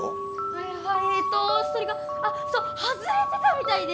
あやばいえとそれがあっそう外れてたみたいで！